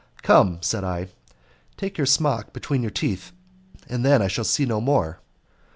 "Come," said I, "take your smock between your teeth and then I shall see no more."